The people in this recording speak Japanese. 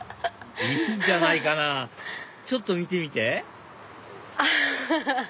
いいんじゃないかなちょっと見てみてあっ！